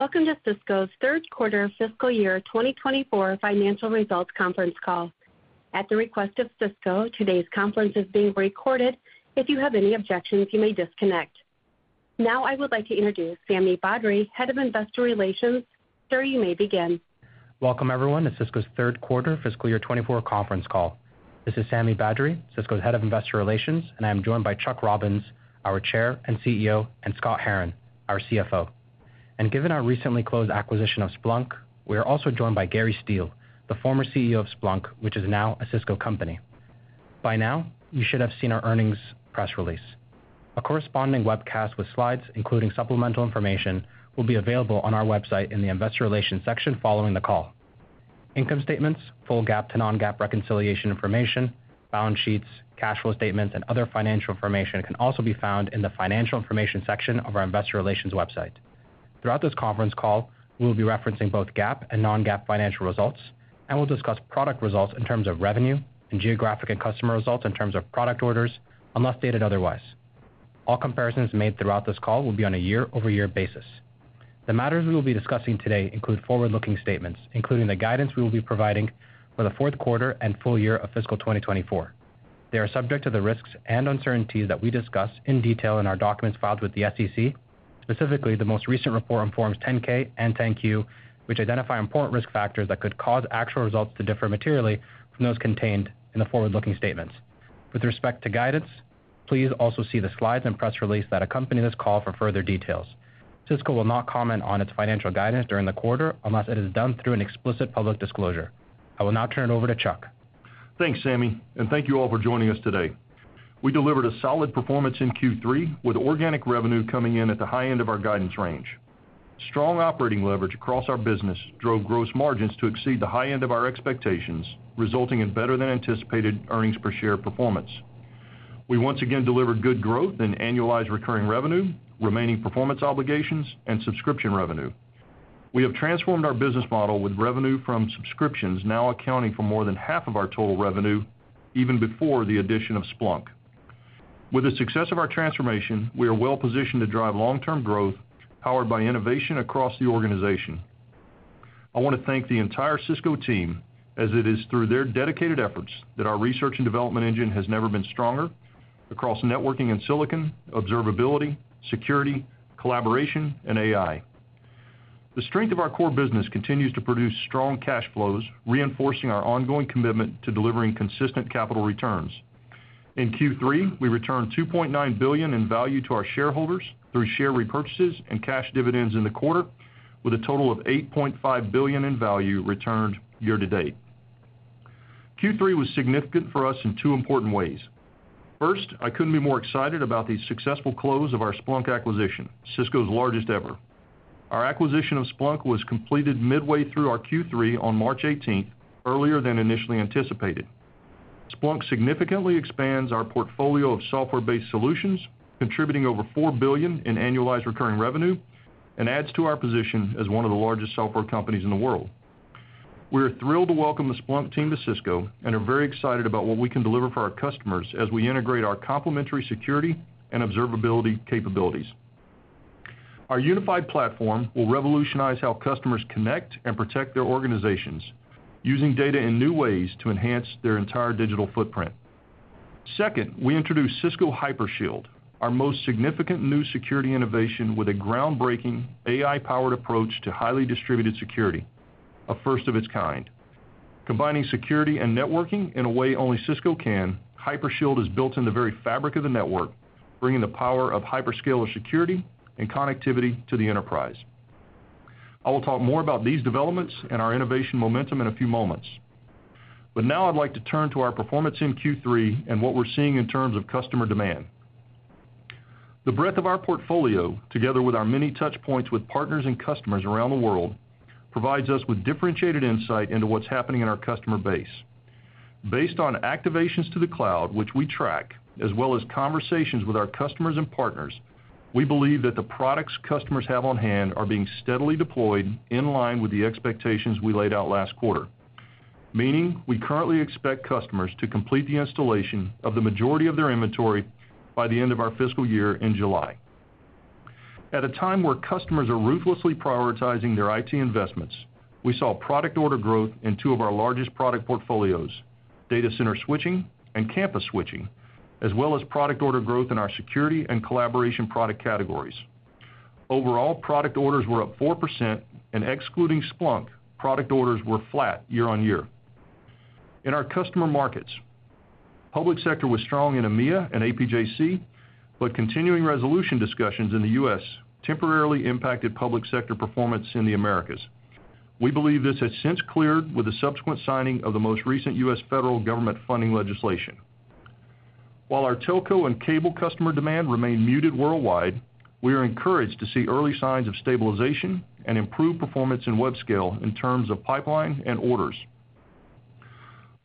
Welcome to Cisco's Third Quarter Fiscal Year 2024 Financial Results Conference Call. At the request of Cisco, today's conference is being recorded. If you have any objections, you may disconnect. Now, I would like to introduce Sami Badri, Head of Investor Relations. Sir, you may begin. Welcome, everyone, to Cisco's third quarter fiscal year 2024 conference call. This is Sami Badri, Cisco's Head of Investor Relations, and I am joined by Chuck Robbins, our Chair and CEO, and Scott Herren, our CFO. Given our recently closed acquisition of Splunk, we are also joined by Gary Steele, the former CEO of Splunk, which is now a Cisco company. By now, you should have seen our earnings press release. A corresponding webcast with slides, including supplemental information, will be available on our website in the Investor Relations section following the call. Income statements, full GAAP to non-GAAP reconciliation information, balance sheets, cash flow statements, and other financial information can also be found in the Financial Information section of our Investor Relations website. Throughout this conference call, we'll be referencing both GAAP and non-GAAP financial results, and we'll discuss product results in terms of revenue and geographic and customer results in terms of product orders, unless stated otherwise. All comparisons made throughout this call will be on a year-over-year basis. The matters we will be discussing today include forward-looking statements, including the guidance we will be providing for the fourth quarter and full year of fiscal 2024. They are subject to the risks and uncertainties that we discuss in detail in our documents filed with the SEC, specifically the most recent report on Forms 10-K and 10-Q, which identify important risk factors that could cause actual results to differ materially from those contained in the forward-looking statements. With respect to guidance, please also see the slides and press release that accompany this call for further details. Cisco will not comment on its financial guidance during the quarter unless it is done through an explicit public disclosure. I will now turn it over to Chuck. Thanks, Sami, and thank you all for joining us today. We delivered a solid performance in Q3, with organic revenue coming in at the high end of our guidance range. Strong operating leverage across our business drove gross margins to exceed the high end of our expectations, resulting in better than anticipated earnings per share performance. We once again delivered good growth in annualized recurring revenue, remaining performance obligations, and subscription revenue. We have transformed our business model, with revenue from subscriptions now accounting for more than half of our total revenue, even before the addition of Splunk. With the success of our transformation, we are well positioned to drive long-term growth, powered by innovation across the organization. I want to thank the entire Cisco team as it is through their dedicated efforts that our research and development engine has never been stronger across networking and silicon, observability, security, collaboration, and AI. The strength of our core business continues to produce strong cash flows, reinforcing our ongoing commitment to delivering consistent capital returns. In Q3, we returned $2.9 billion in value to our shareholders through share repurchases and cash dividends in the quarter, with a total of $8.5 billion in value returned year to date. Q3 was significant for us in two important ways. First, I couldn't be more excited about the successful close of our Splunk acquisition, Cisco's largest ever. Our acquisition of Splunk was completed midway through our Q3 on March eighteenth, earlier than initially anticipated. Splunk significantly expands our portfolio of software-based solutions, contributing over $4 billion in annualized recurring revenue, and adds to our position as one of the largest software companies in the world. We are thrilled to welcome the Splunk team to Cisco and are very excited about what we can deliver for our customers as we integrate our complementary security and observability capabilities. Our unified platform will revolutionize how customers connect and protect their organizations, using data in new ways to enhance their entire digital footprint. Second, we introduced Cisco Hypershield, our most significant new security innovation with a groundbreaking AI-powered approach to highly distributed security, a first of its kind. Combining security and networking in a way only Cisco can, Hypershield is built in the very fabric of the network, bringing the power of hyperscaler security and connectivity to the enterprise. I will talk more about these developments and our innovation momentum in a few moments. But now I'd like to turn to our performance in Q3 and what we're seeing in terms of customer demand. The breadth of our portfolio, together with our many touch points with partners and customers around the world, provides us with differentiated insight into what's happening in our customer base. Based on activations to the cloud, which we track, as well as conversations with our customers and partners, we believe that the products customers have on hand are being steadily deployed in line with the expectations we laid out last quarter, meaning we currently expect customers to complete the installation of the majority of their inventory by the end of our fiscal year in July. At a time where customers are ruthlessly prioritizing their IT investments, we saw product order growth in two of our largest product portfolios, data center switching and campus switching, as well as product order growth in our security and collaboration product categories. Overall, product orders were up 4%, and excluding Splunk, product orders were flat year-over-year. In our customer markets, public sector was strong in EMEA and APJC, but continuing resolution discussions in the U.S. temporarily impacted public sector performance in the Americas. We believe this has since cleared with the subsequent signing of the most recent U.S. federal government funding legislation. While our telco and cable customer demand remain muted worldwide, we are encouraged to see early signs of stabilization and improved performance in web scale in terms of pipeline and orders.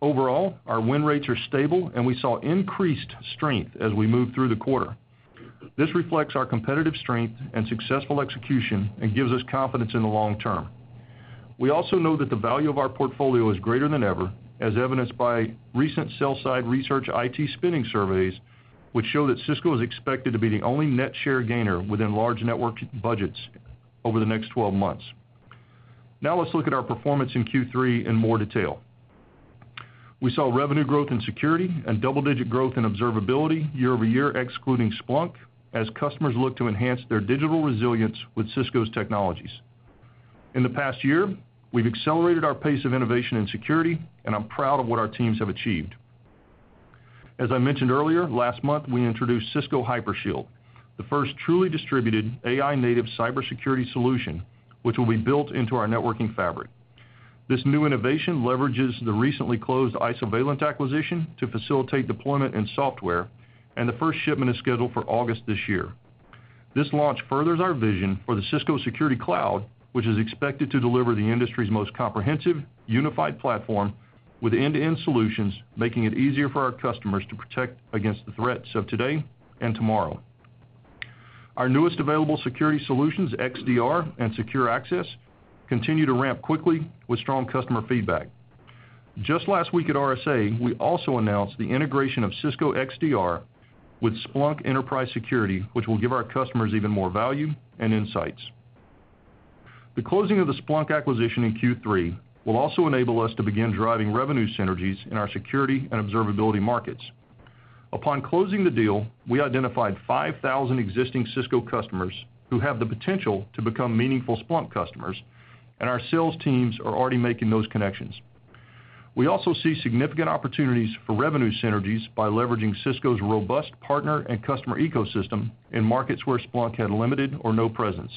Overall, our win rates are stable, and we saw increased strength as we moved through the quarter. This reflects our competitive strength and successful execution and gives us confidence in the long term. We also know that the value of our portfolio is greater than ever, as evidenced by recent sell-side research IT spending surveys, which show that Cisco is expected to be the only net share gainer within large network budgets over the next 12 months. Now let's look at our performance in Q3 in more detail. We saw revenue growth in security and double-digit growth in observability year-over-year, excluding Splunk, as customers look to enhance their digital resilience with Cisco's technologies. In the past year, we've accelerated our pace of innovation and security, and I'm proud of what our teams have achieved. As I mentioned earlier, last month, we introduced Cisco Hypershield, the first truly distributed AI-native cybersecurity solution, which will be built into our networking fabric. This new innovation leverages the recently closed Isovalent acquisition to facilitate deployment and software, and the first shipment is scheduled for August this year. This launch furthers our vision for the Cisco Security Cloud, which is expected to deliver the industry's most comprehensive, unified platform with end-to-end solutions, making it easier for our customers to protect against the threats of today and tomorrow. Our newest available security solutions, XDR and Secure Access, continue to ramp quickly with strong customer feedback. Just last week at RSA, we also announced the integration of Cisco XDR with Splunk Enterprise Security, which will give our customers even more value and insights. The closing of the Splunk acquisition in Q3 will also enable us to begin driving revenue synergies in our security and observability markets. Upon closing the deal, we identified 5,000 existing Cisco customers who have the potential to become meaningful Splunk customers, and our sales teams are already making those connections. We also see significant opportunities for revenue synergies by leveraging Cisco's robust partner and customer ecosystem in markets where Splunk had limited or no presence.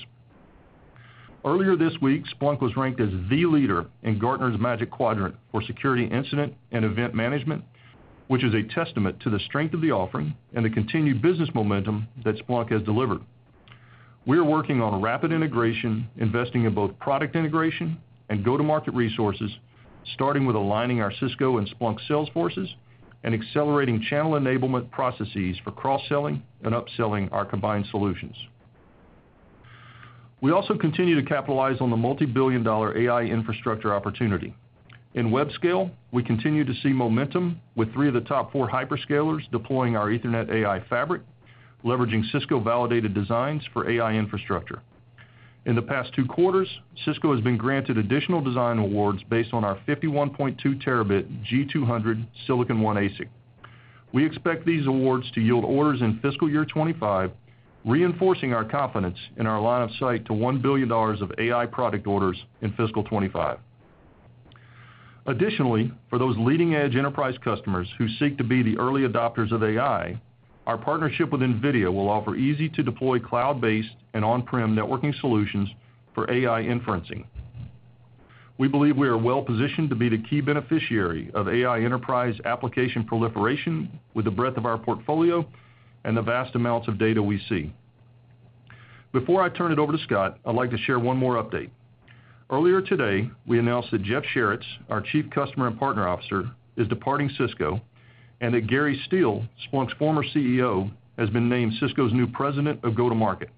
Earlier this week, Splunk was ranked as the leader in Gartner's Magic Quadrant for security incident and event management, which is a testament to the strength of the offering and the continued business momentum that Splunk has delivered. We are working on a rapid integration, investing in both product integration and go-to-market resources, starting with aligning our Cisco and Splunk sales forces and accelerating channel enablement processes for cross-selling and upselling our combined solutions. We also continue to capitalize on the multibillion-dollar AI infrastructure opportunity. In web scale, we continue to see momentum with 3 of the top 4 hyperscalers deploying our Ethernet AI Fabric, leveraging Cisco Validated Designs for AI infrastructure. In the past 2 quarters, Cisco has been granted additional design awards based on our 51.2 terabit G200 Silicon One ASIC. We expect these awards to yield orders in fiscal year 25, reinforcing our confidence in our line of sight to $1 billion of AI product orders in fiscal 25. Additionally, for those leading-edge enterprise customers who seek to be the early adopters of AI, our partnership with NVIDIA will offer easy-to-deploy, cloud-based and on-prem networking solutions for AI inferencing. We believe we are well positioned to be the key beneficiary of AI enterprise application proliferation with the breadth of our portfolio and the vast amounts of data we see. Before I turn it over to Scott, I'd like to share one more update. Earlier today, we announced that Jeff Sharritts, our Chief Customer and Partner Officer, is departing Cisco, and that Gary Steele, Splunk's former CEO, has been named Cisco's new President of Go-to-Market.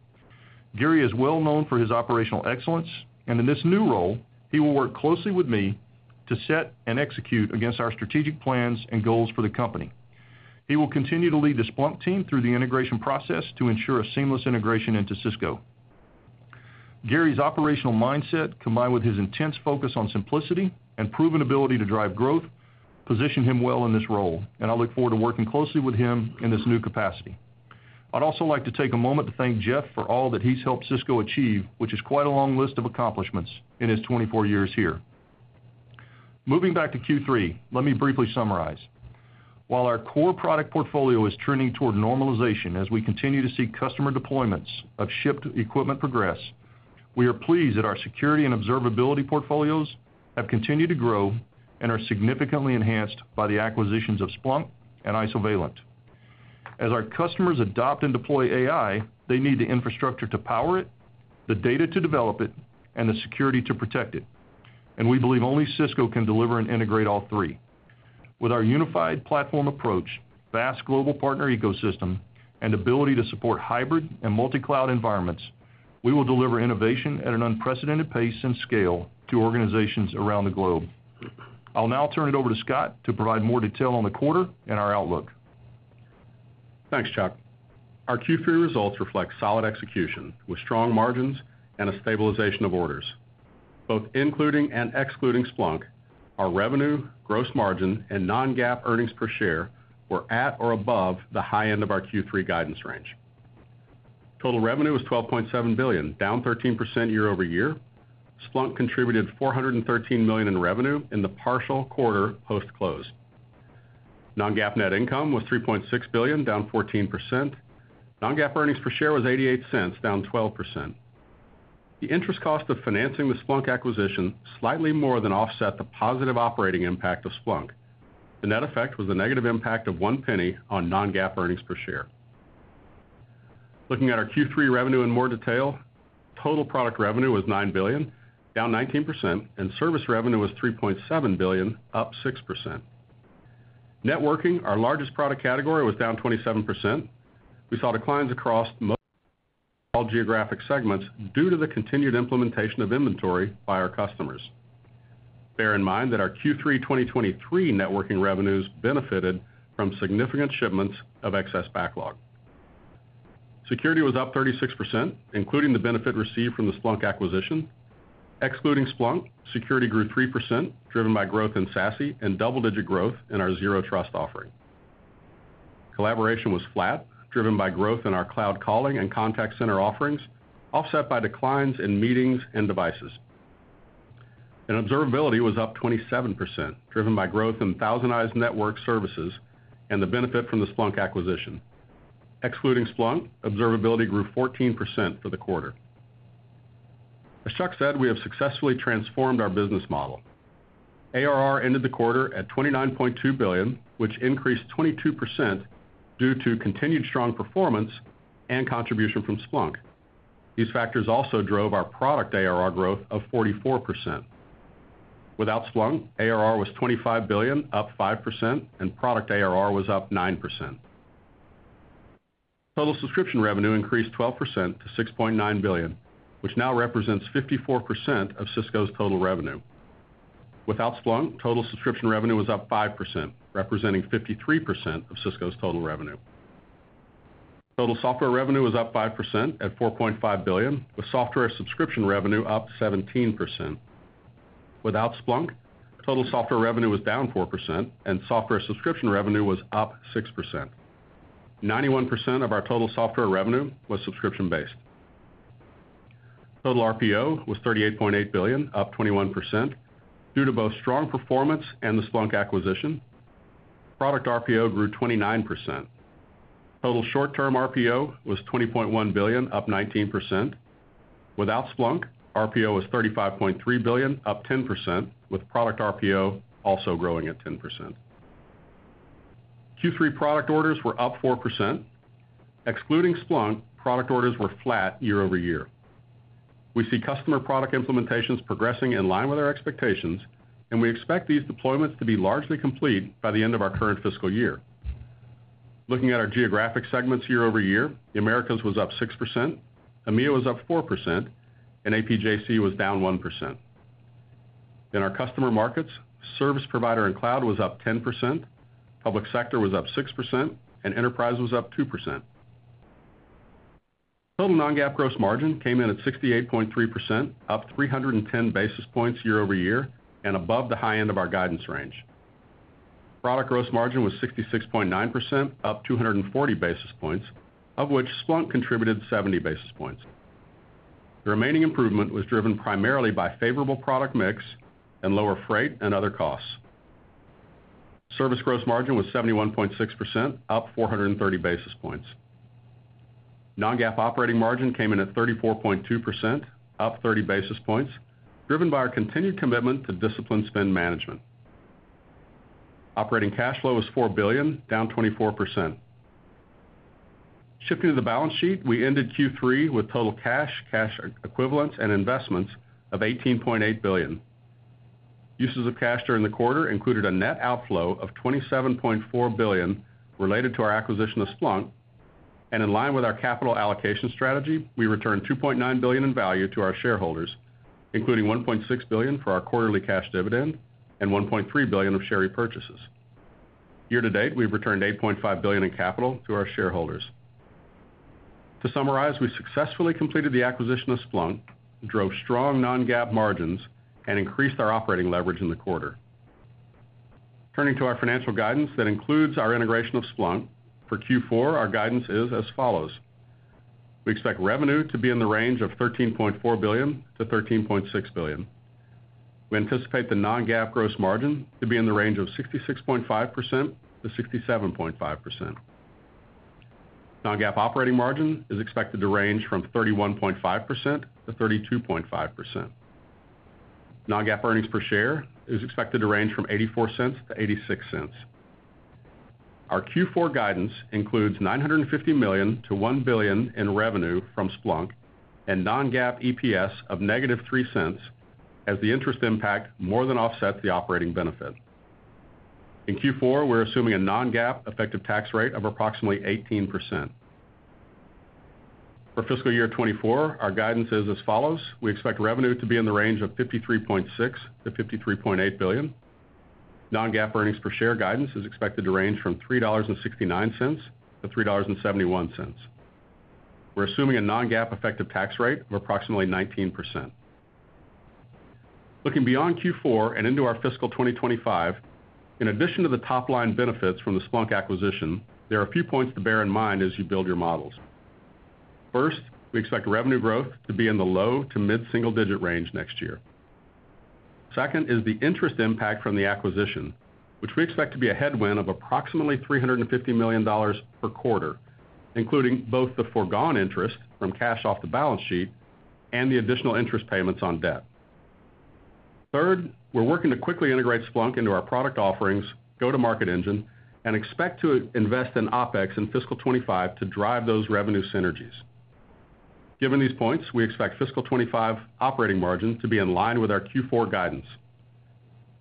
Gary is well known for his operational excellence, and in this new role, he will work closely with me to set and execute against our strategic plans and goals for the company. He will continue to lead the Splunk team through the integration process to ensure a seamless integration into Cisco. Gary's operational mindset, combined with his intense focus on simplicity and proven ability to drive growth, position him well in this role, and I look forward to working closely with him in this new capacity. I'd also like to take a moment to thank Jeff for all that he's helped Cisco achieve, which is quite a long list of accomplishments in his 24 years here. Moving back to Q3, let me briefly summarize. While our core product portfolio is trending toward normalization as we continue to see customer deployments of shipped equipment progress, we are pleased that our security and observability portfolios have continued to grow and are significantly enhanced by the acquisitions of Splunk and Isovalent. As our customers adopt and deploy AI, they need the infrastructure to power it, the data to develop it, and the security to protect it, and we believe only Cisco can deliver and integrate all three. With our unified platform approach, vast global partner ecosystem, and ability to support hybrid and multi-cloud environments, we will deliver innovation at an unprecedented pace and scale to organizations around the globe. I'll now turn it over to Scott to provide more detail on the quarter and our outlook. Thanks, Chuck. Our Q3 results reflect solid execution with strong margins and a stabilization of orders. Both including and excluding Splunk, our revenue, gross margin, and non-GAAP earnings per share were at or above the high end of our Q3 guidance range. Total revenue was $12.7 billion, down 13% year-over-year. Splunk contributed $413 million in revenue in the partial quarter post-close. Non-GAAP net income was $3.6 billion, down 14%. Non-GAAP earnings per share was $0.88, down 12%. The interest cost of financing the Splunk acquisition slightly more than offset the positive operating impact of Splunk. The net effect was a negative impact of $0.01 on non-GAAP earnings per share. Looking at our Q3 revenue in more detail, total product revenue was $9 billion, down 19%, and service revenue was $3.7 billion, up 6%. Networking, our largest product category, was down 27%. We saw declines across most all geographic segments due to the continued implementation of inventory by our customers. Bear in mind that our Q3 2023 networking revenues benefited from significant shipments of excess backlog. Security was up 36%, including the benefit received from the Splunk acquisition. Excluding Splunk, security grew 3%, driven by growth in SASE and double-digit growth in our Zero Trust offering. Collaboration was flat, driven by growth in our cloud calling and contact center offerings, offset by declines in meetings and devices. Observability was up 27%, driven by growth in ThousandEyes network services and the benefit from the Splunk acquisition. Excluding Splunk, observability grew 14% for the quarter. As Chuck said, we have successfully transformed our business model. ARR ended the quarter at $29.2 billion, which increased 22% due to continued strong performance and contribution from Splunk. These factors also drove our product ARR growth of 44%. Without Splunk, ARR was $25 billion, up 5%, and product ARR was up 9%. Total subscription revenue increased 12% to $6.9 billion, which now represents 54% of Cisco's total revenue. Without Splunk, total subscription revenue was up 5%, representing 53% of Cisco's total revenue. Total software revenue was up 5% at $4.5 billion, with software subscription revenue up 17%. Without Splunk, total software revenue was down 4%, and software subscription revenue was up 6%. 91% of our total software revenue was subscription-based. Total RPO was $38.8 billion, up 21%, due to both strong performance and the Splunk acquisition. Product RPO grew 29%. Total short-term RPO was $20.1 billion, up 19%. Without Splunk, RPO was $35.3 billion, up 10%, with product RPO also growing at 10%. Q3 product orders were up 4%. Excluding Splunk, product orders were flat year over year. We see customer product implementations progressing in line with our expectations, and we expect these deployments to be largely complete by the end of our current fiscal year. Looking at our geographic segments year over year, the Americas was up 6%, EMEA was up 4%, and APJC was down 1%. In our customer markets, service provider and cloud was up 10%, public sector was up 6%, and enterprise was up 2%. Total non-GAAP gross margin came in at 68.3%, up 310 basis points year-over-year, and above the high end of our guidance range. Product gross margin was 66.9%, up 240 basis points, of which Splunk contributed 70 basis points. The remaining improvement was driven primarily by favorable product mix and lower freight and other costs. Service gross margin was 71.6%, up 430 basis points. Non-GAAP operating margin came in at 34.2%, up 30 basis points, driven by our continued commitment to disciplined spend management. Operating cash flow was $4 billion, down 24%. Shifting to the balance sheet, we ended Q3 with total cash, cash equivalents, and investments of $18.8 billion. Uses of cash during the quarter included a net outflow of $27.4 billion related to our acquisition of Splunk. In line with our capital allocation strategy, we returned $2.9 billion in value to our shareholders, including $1.6 billion for our quarterly cash dividend and $1.3 billion of share repurchases. Year to date, we've returned $8.5 billion in capital to our shareholders. To summarize, we successfully completed the acquisition of Splunk, drove strong non-GAAP margins, and increased our operating leverage in the quarter. Turning to our financial guidance, that includes our integration of Splunk. For Q4, our guidance is as follows: We expect revenue to be in the range of $13.4 billion-$13.6 billion. We anticipate the non-GAAP gross margin to be in the range of 66.5%-67.5%. Non-GAAP operating margin is expected to range from 31.5%-32.5%. Non-GAAP earnings per share is expected to range from $0.84-$0.86. Our Q4 guidance includes $950 million-$1 billion in revenue from Splunk and non-GAAP EPS of -$0.03, as the interest impact more than offsets the operating benefit. In Q4, we're assuming a non-GAAP effective tax rate of approximately 18%. For fiscal year 2024, our guidance is as follows: We expect revenue to be in the range of $53.6 billion-$53.8 billion. Non-GAAP earnings per share guidance is expected to range from $3.69-$3.71. We're assuming a non-GAAP effective tax rate of approximately 19%. Looking beyond Q4 and into our fiscal 2025, in addition to the top-line benefits from the Splunk acquisition, there are a few points to bear in mind as you build your models. First, we expect revenue growth to be in the low to mid-single digit range next year. Second is the interest impact from the acquisition, which we expect to be a headwind of approximately $350 million per quarter, including both the foregone interest from cash off the balance sheet and the additional interest payments on debt. Third, we're working to quickly integrate Splunk into our product offerings, go-to-market engine, and expect to invest in OpEx in fiscal 2025 to drive those revenue synergies. ... Given these points, we expect fiscal 25 operating margin to be in line with our Q4 guidance.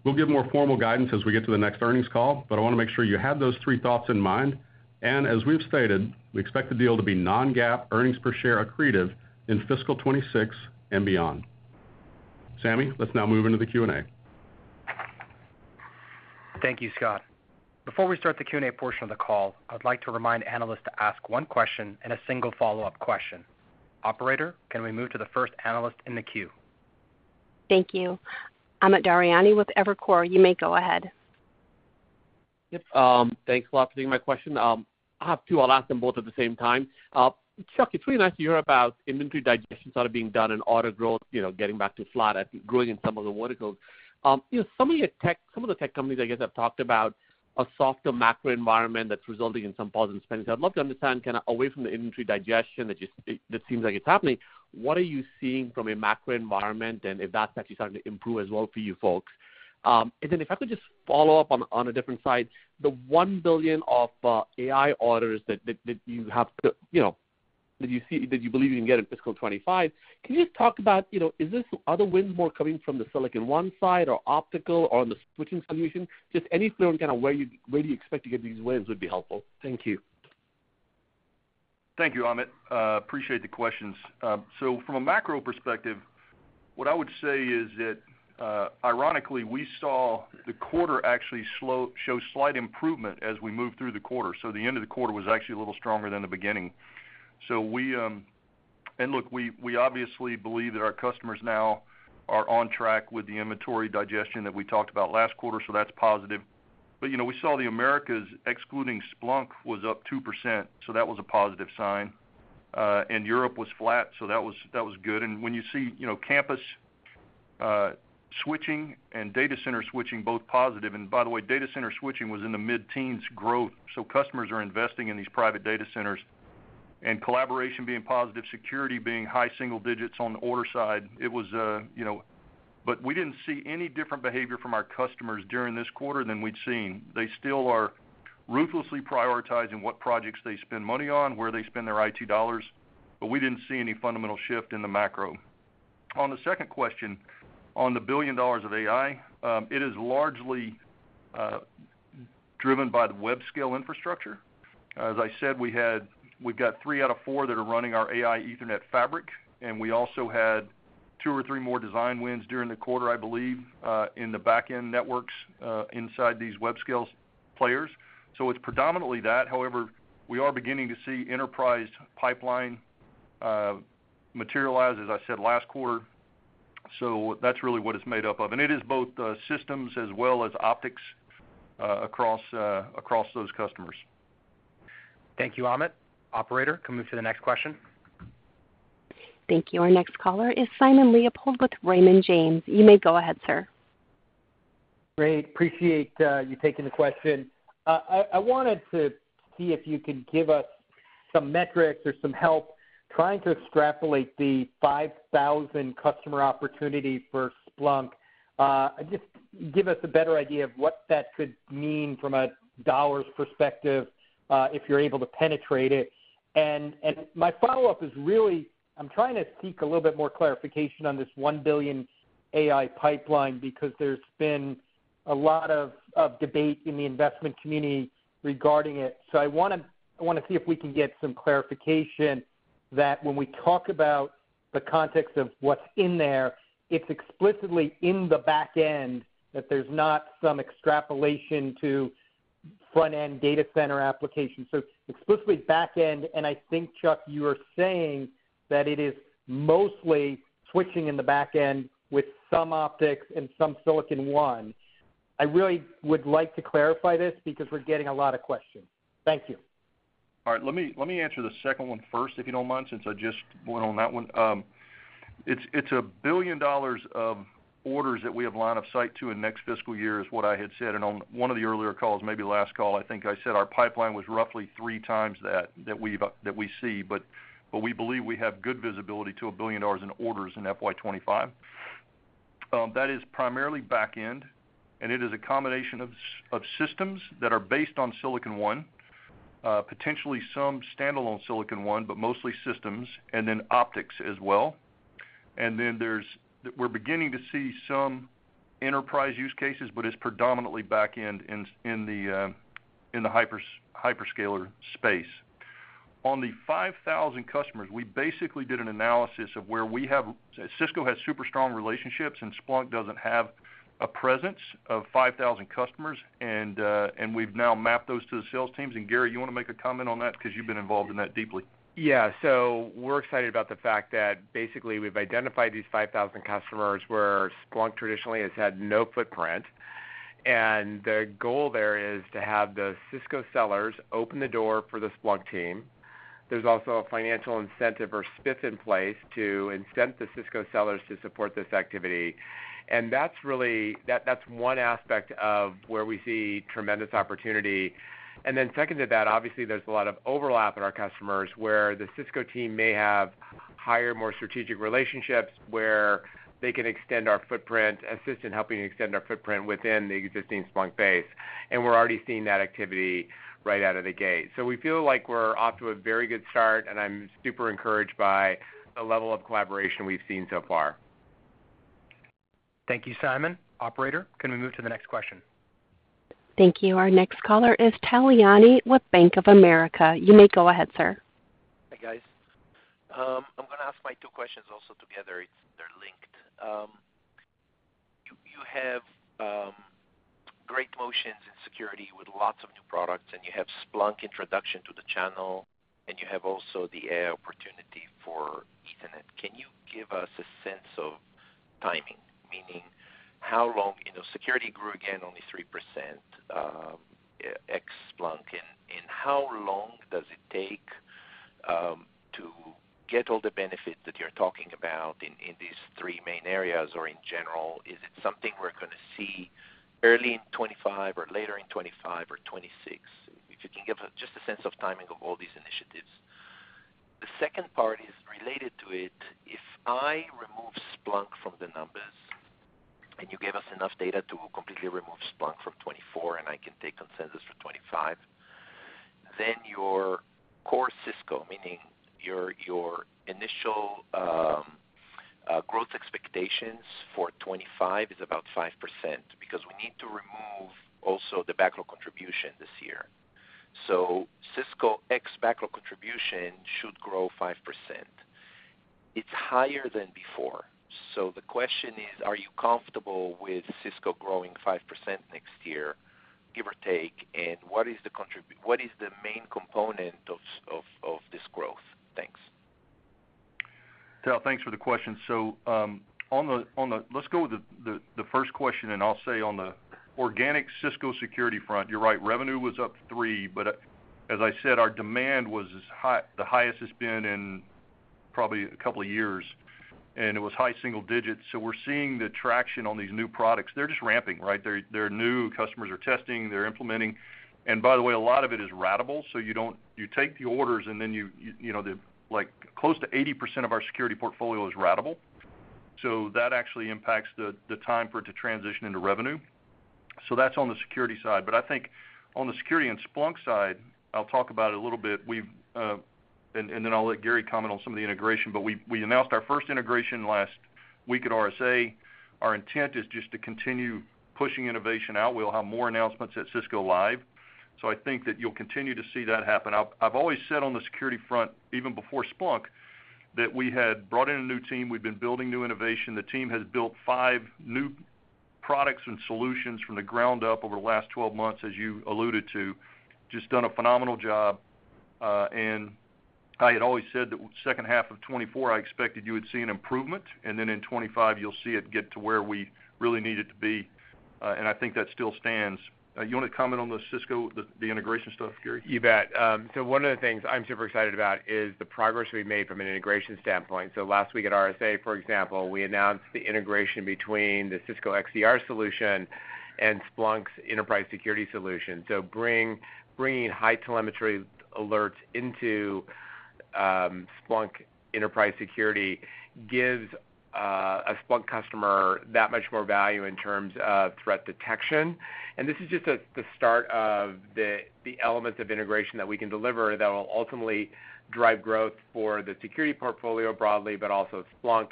We'll give more formal guidance as we get to the next earnings call, but I want to make sure you have those three thoughts in mind. And as we've stated, we expect the deal to be non-GAAP earnings per share accretive in fiscal 26 and beyond. Sami, let's now move into the Q&A. Thank you, Scott. Before we start the Q&A portion of the call, I'd like to remind analysts to ask one question and a single follow-up question. Operator, can we move to the first analyst in the queue? Thank you. Amit Daryanani with Evercore, you may go ahead. Yep, thanks a lot for taking my question. I have two. I'll ask them both at the same time. Chuck, it's really nice to hear about inventory digestion sort of being done and order growth, you know, getting back to flat and growing in some of the verticals. You know, some of the tech companies, I guess, have talked about a softer macro environment that's resulting in some positive spending. So I'd love to understand, kind of, away from the inventory digestion that seems like it's happening, what are you seeing from a macro environment, and if that's actually starting to improve as well for you folks? And then if I could just follow up on, on a different side, the $1 billion of AI orders that, that, that you have to, you know, that you see, that you believe you can get in fiscal 2025, can you just talk about, you know, is this, are the wins more coming from the Silicon One side, or optical, or on the switching solution? Just any clear on kind of where you, where do you expect to get these wins would be helpful. Thank you. Thank you, Amit. Appreciate the questions. So from a macro perspective, what I would say is that, ironically, we saw the quarter actually show slight improvement as we moved through the quarter. So the end of the quarter was actually a little stronger than the beginning. So we... And look, we obviously believe that our customers now are on track with the inventory digestion that we talked about last quarter, so that's positive. But, you know, we saw the Americas, excluding Splunk, was up 2%, so that was a positive sign. And Europe was flat, so that was, that was good. And when you see, you know, campus switching and data center switching, both positive, and by the way, data center switching was in the mid-teens growth, so customers are investing in these private data centers. Collaboration being positive, security being high single digits on the order side, it was, you know. We didn't see any different behavior from our customers during this quarter than we'd seen. They still are ruthlessly prioritizing what projects they spend money on, where they spend their IT dollars, but we didn't see any fundamental shift in the macro. On the second question, on the $1 billion of AI, it is largely driven by the web scale infrastructure. As I said, we've got three out of four that are running our AI Ethernet Fabric, and we also had two or three more design wins during the quarter, I believe, in the back-end networks inside these web scale players. So it's predominantly that. However, we are beginning to see enterprise pipeline materialize, as I said, last quarter. So that's really what it's made up of. And it is both, systems as well as optics, across those customers. Thank you, Amit. Operator, can we move to the next question? Thank you. Our next caller is Simon Leopold with Raymond James. You may go ahead, sir. Great. Appreciate you taking the question. I wanted to see if you could give us some metrics or some help trying to extrapolate the 5,000 customer opportunity for Splunk. Just give us a better idea of what that could mean from a dollars perspective, if you're able to penetrate it. And my follow-up is really, I'm trying to seek a little bit more clarification on this $1 billion AI pipeline, because there's been a lot of debate in the investment community regarding it. So I want to see if we can get some clarification that when we talk about the context of what's in there, it's explicitly in the back end, that there's not some extrapolation to front-end data center application. So, explicitly back end, and I think, Chuck, you are saying that it is mostly switching in the back end with some optics and some Silicon One. I really would like to clarify this because we're getting a lot of questions. Thank you. All right. Let me answer the second one first, if you don't mind, since I just went on that one. It's $1 billion of orders that we have line of sight to in next fiscal year, is what I had said. And on one of the earlier calls, maybe last call, I think I said our pipeline was roughly three times that that we see. But we believe we have good visibility to $1 billion in orders in FY 2025. That is primarily back end, and it is a combination of systems that are based on Silicon One, potentially some standalone Silicon One, but mostly systems, and then optics as well. And then there's, we're beginning to see some enterprise use cases, but it's predominantly back end in the hyperscaler space. On the 5,000 customers, we basically did an analysis of where we have, Cisco has super strong relationships, and Splunk doesn't have a presence of 5,000 customers, and, and we've now mapped those to the sales teams. And Gary, you want to make a comment on that? Because you've been involved in that deeply. Yeah. So we're excited about the fact that basically, we've identified these 5,000 customers where Splunk traditionally has had no footprint. And the goal there is to have the Cisco sellers open the door for the Splunk team. There's also a financial incentive or spiff in place to incent the Cisco sellers to support this activity. And that's really, that, that's one aspect of where we see tremendous opportunity. And then second to that, obviously, there's a lot of overlap in our customers, where the Cisco team may have higher, more strategic relationships, where they can extend our footprint, assist in helping extend our footprint within the existing Splunk base. And we're already seeing that activity right out of the gate. So we feel like we're off to a very good start, and I'm super encouraged by the level of collaboration we've seen so far. Thank you, Simon. Operator, can we move to the next question? Thank you. Our next caller is Tal Liani with Bank of America. You may go ahead, sir. Hi, guys. I'm gonna ask my two questions also together; it's—they're linked. You have great portions in security with lots of new products, and you have Splunk introduction to the channel, and you have also the AI opportunity for Ethernet. Can you give us a sense of timing? Meaning, how long—you know, security grew again only 3%, ex Splunk. And how long does it take to get all the benefit that you're talking about in these three main areas, or in general, is it something we're gonna see early in 2025 or later in 2025 or 2026? If you can give us just a sense of timing of all these initiatives. The second part is related to it. If I remove Splunk from the numbers, and you gave us enough data to completely remove Splunk from 2024, and I can take consensus for 2025, then your core Cisco, meaning your, your initial, growth expectations for 2025 is about 5%, because we need to remove also the backlog contribution this year. So Cisco ex backlog contribution should grow 5%. It's higher than before. So the question is, are you comfortable with Cisco growing 5% next year, give or take, and what is the contrib-- what is the main component of, of, of this growth? Thanks. Tal, thanks for the question. So, on the—let's go with the first question, and I'll say on the organic Cisco security front, you're right, revenue was up 3%, but as I said, our demand was as high—the highest it's been in probably a couple of years, and it was high single digits. So we're seeing the traction on these new products. They're just ramping, right? They're new, customers are testing, they're implementing. And by the way, a lot of it is ratable, so you don't—you take the orders, and then you know, like, close to 80% of our security portfolio is ratable. So that actually impacts the time for it to transition into revenue. So that's on the security side. I think on the security and Splunk side, I'll talk about it a little bit. We've and then I'll let Gary comment on some of the integration. We announced our first integration last week at RSA. Our intent is just to continue pushing innovation out. We'll have more announcements at Cisco Live. I think that you'll continue to see that happen. I've always said on the security front, even before Splunk, that we had brought in a new team, we've been building new innovation. The team has built five new products and solutions from the ground up over the last 12 months, as you alluded to. Just done a phenomenal job. I had always said that second half of 2024, I expected you would see an improvement, and then in 2025, you'll see it get to where we really need it to be. I think that still stands. You wanna comment on the Cisco, the integration stuff, Gary? You bet. So one of the things I'm super excited about is the progress we've made from an integration standpoint. So last week at RSA, for example, we announced the integration between the Cisco XDR solution and Splunk's Enterprise Security solution. So bringing high telemetry alerts into Splunk Enterprise Security gives a Splunk customer that much more value in terms of threat detection. And this is just the start of the elements of integration that we can deliver that will ultimately drive growth for the security portfolio broadly, but also Splunk.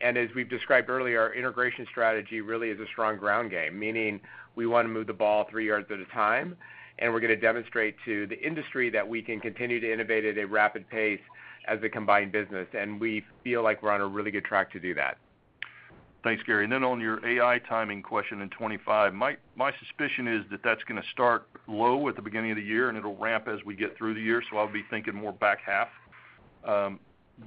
As we've described earlier, our integration strategy really is a strong ground game, meaning we wanna move the ball three yards at a time, and we're gonna demonstrate to the industry that we can continue to innovate at a rapid pace as a combined business, and we feel like we're on a really good track to do that. Thanks, Gary. Then on your AI timing question in 2025, my suspicion is that that's gonna start low at the beginning of the year, and it'll ramp as we get through the year, so I'll be thinking more back half.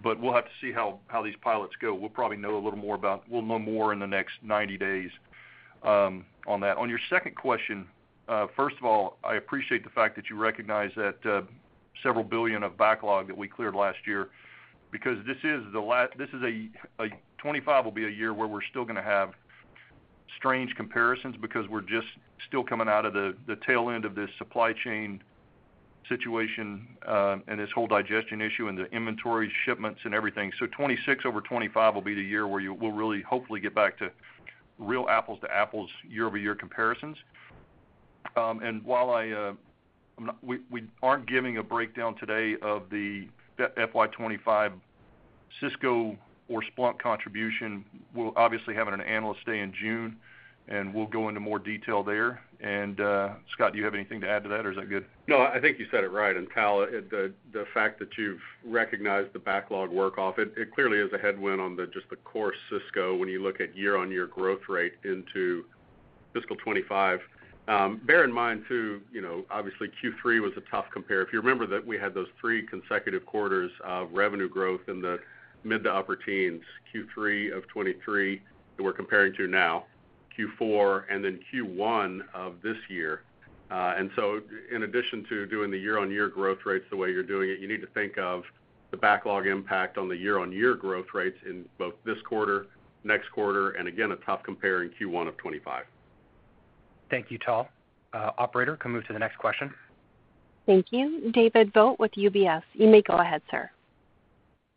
But we'll have to see how these pilots go. We'll probably know a little more about, we'll know more in the next 90 days, on that. On your second question, first of all, I appreciate the fact that you recognize that, $several billion of backlog that we cleared last year, because this is the, this is a, 2025 will be a year where we're still gonna have strange comparisons because we're just still coming out of the, the tail end of this supply chain situation, and this whole digestion issue and the inventory shipments and everything. So 2026 over 2025 will be the year where we'll really hopefully get back to real apples to apples year-over-year comparisons. And while we aren't giving a breakdown today of the FY 2025 Cisco or Splunk contribution, we'll obviously have an analyst day in June, and we'll go into more detail there. And, Scott, do you have anything to add to that, or is that good? No, I think you said it right. Tal, the fact that you've recognized the backlog work off, it clearly is a headwind on just the core Cisco when you look at year-on-year growth rate into fiscal 2025. Bear in mind, too, you know, obviously, Q3 was a tough compare. If you remember that we had those three consecutive quarters of revenue growth in the mid to upper teens, Q3 of 2023, that we're comparing to now, Q4 and then Q1 of this year. And so in addition to doing the year-on-year growth rates the way you're doing it, you need to think of the backlog impact on the year-on-year growth rates in both this quarter, next quarter, and again, a tough compare in Q1 of 2025. Thank you, Tal. Operator, can move to the next question. Thank you. David Vogt with UBS. You may go ahead, sir.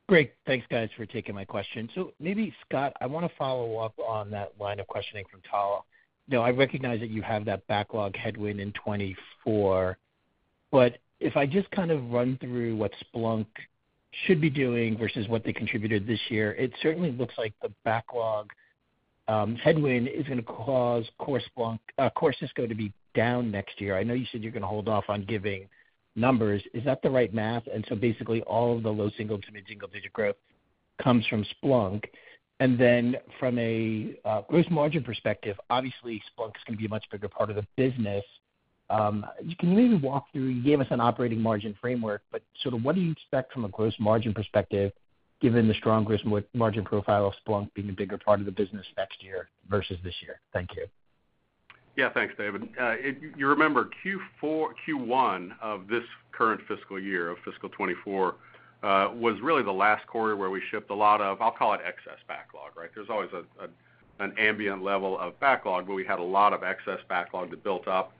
Great. Thanks, guys, for taking my question. So maybe, Scott, I wanna follow up on that line of questioning from Tal. Now, I recognize that you have that backlog headwind in 2024.... But if I just kind of run through what Splunk should be doing versus what they contributed this year, it certainly looks like the backlog headwind is going to cause core Splunk, core Cisco to be down next year. I know you said you're going to hold off on giving numbers. Is that the right math? And so basically, all of the low single- to mid-single-digit growth comes from Splunk. And then from a gross margin perspective, obviously, Splunk is going to be a much bigger part of the business. Can you walk through, you gave us an operating margin framework, but sort of what do you expect from a gross margin perspective, given the strong gross margin profile of Splunk being a bigger part of the business next year versus this year? Thank you. Yeah, thanks, David. If you remember, Q1 of this current fiscal year, of fiscal 2024, was really the last quarter where we shipped a lot of, I'll call it, excess backlog, right? There's always an ambient level of backlog, but we had a lot of excess backlog that built up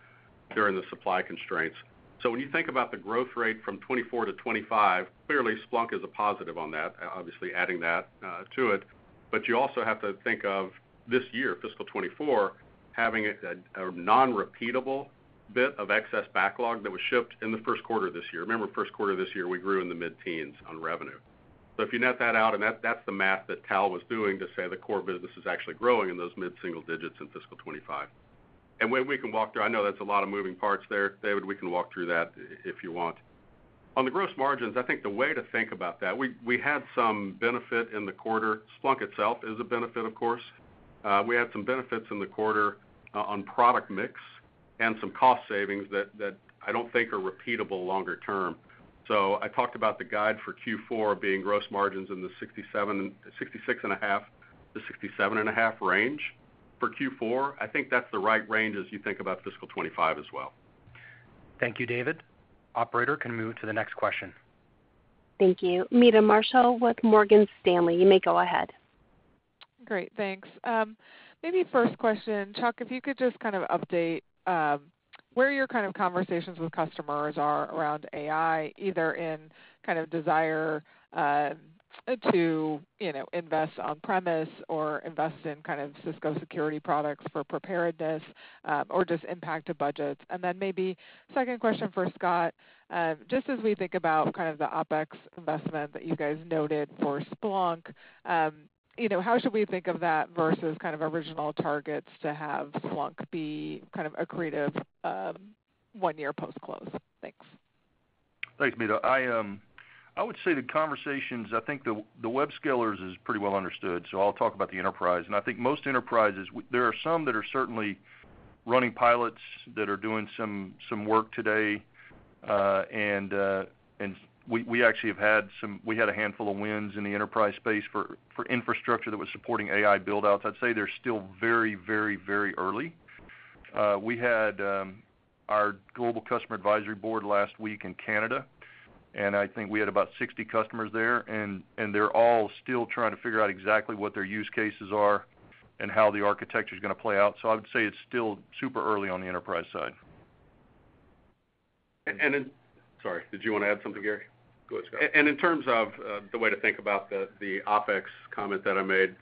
during the supply constraints. So when you think about the growth rate from 2024 to 2025, clearly, Splunk is a positive on that, obviously, adding that to it. But you also have to think of this year, fiscal 2024, having a non-repeatable bit of excess backlog that was shipped in the first quarter this year. Remember, first quarter this year, we grew in the mid-teens on revenue. So if you net that out, and that, that's the math that Tal was doing to say the core business is actually growing in those mid-single digits in fiscal 2025. And when we can walk through, I know that's a lot of moving parts there, David, we can walk through that if you want. On the gross margins, I think the way to think about that, we had some benefit in the quarter. Splunk itself is a benefit, of course. We had some benefits in the quarter on product mix and some cost savings that I don't think are repeatable longer term. So I talked about the guide for Q4 being gross margins in the 67, 66.5%-67.5% range. For Q4, I think that's the right range as you think about fiscal 2025 as well. Thank you, David. Operator, can move to the next question. Thank you. Meta Marshall with Morgan Stanley, you may go ahead. Great, thanks. Maybe first question, Chuck, if you could just kind of update where your kind of conversations with customers are around AI, either in kind of desire to, you know, invest on-premise or invest in kind of Cisco security products for preparedness, or just impact to budgets. And then maybe second question for Scott. Just as we think about kind of the OpEx investment that you guys noted for Splunk, you know, how should we think of that versus kind of original targets to have Splunk be kind of accretive, one year post-close? Thanks. Thanks, Meta. I would say the conversations, I think the web scalers is pretty well understood, so I'll talk about the enterprise. And I think most enterprises, there are some that are certainly running pilots that are doing some work today, and we actually have had some - we had a handful of wins in the enterprise space for infrastructure that was supporting AI build-outs. I'd say they're still very, very, very early. We had our global customer advisory board last week in Canada, and I think we had about 60 customers there, and they're all still trying to figure out exactly what their use cases are and how the architecture is going to play out. So I would say it's still super early on the enterprise side. And in - Sorry, did you want to add something, Gary? Go ahead, Scott. In terms of the way to think about the OpEx comment that I made,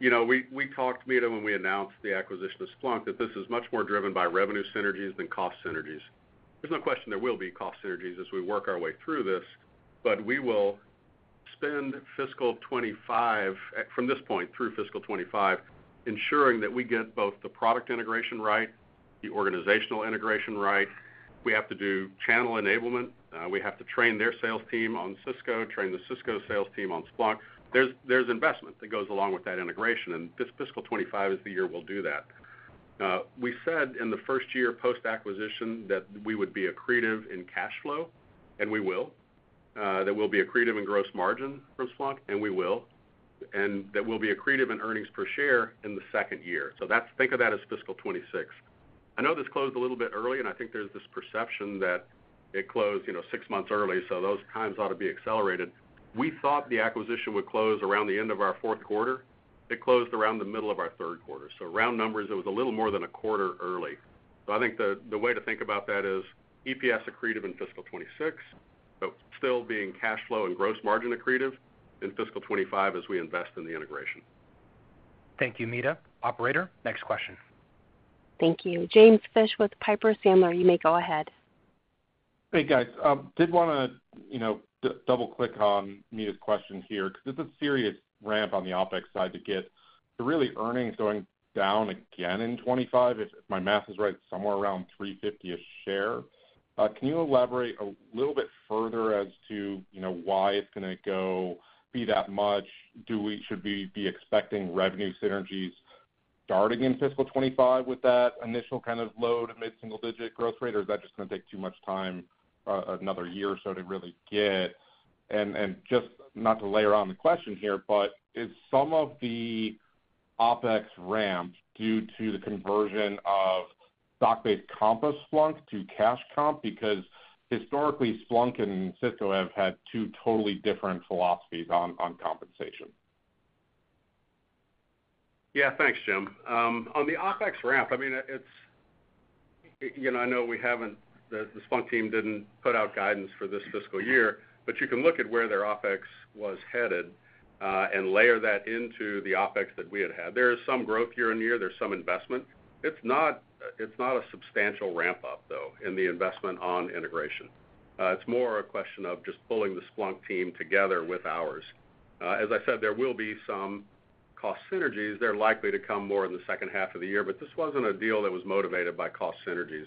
you know, we talked, Meta, when we announced the acquisition of Splunk, that this is much more driven by revenue synergies than cost synergies. There's no question there will be cost synergies as we work our way through this, but we will spend fiscal 2025 from this point through fiscal 2025, ensuring that we get both the product integration right, the organizational integration right. We have to do channel enablement. We have to train their sales team on Cisco, train the Cisco sales team on Splunk. There's investment that goes along with that integration, and this fiscal 2025 is the year we'll do that. We said in the first year post-acquisition that we would be accretive in cash flow, and we will. That we'll be accretive in gross margin from Splunk, and we will. That we'll be accretive in earnings per share in the second year. So that's, think of that as fiscal 2026. I know this closed a little bit early, and I think there's this perception that it closed, you know, six months early, so those times ought to be accelerated. We thought the acquisition would close around the end of our fourth quarter. It closed around the middle of our third quarter. So round numbers, it was a little more than a quarter early. So I think the, the way to think about that is EPS accretive in fiscal 2026, but still being cash flow and gross margin accretive in fiscal 2025 as we invest in the integration. Thank you, Meta. Operator, next question. Thank you. James Fish with Piper Sandler. You may go ahead. Hey, guys, did want to, you know, double-click on Meta's question here, because it's a serious ramp on the OpEx side to get the really earnings going down again in 2025, if my math is right, somewhere around $3.50 a share. Can you elaborate a little bit further as to, you know, why it's going to go be that much? Do we - should we be expecting revenue synergies starting in fiscal 2025 with that initial kind of low to mid-single-digit growth rate, or is that just going to take too much time, another year or so to really get? And just not to layer on the question here, but is some of the OpEx ramp due to the conversion of stock-based comp of Splunk to cash comp? Because historically, Splunk and Cisco have had two totally different philosophies on compensation. Yeah, thanks, Jim. On the OpEx ramp, I mean, it's... You know, I know we haven't—the Splunk team didn't put out guidance for this fiscal year, but you can look at where their OpEx was headed, and layer that into the OpEx that we had had. There is some growth year-over-year. There's some investment. It's not, it's not a substantial ramp-up, though, in the investment on integration. It's more a question of just pulling the Splunk team together with ours. As I said, there will be some cost synergies. They're likely to come more in the second half of the year, but this wasn't a deal that was motivated by cost synergies.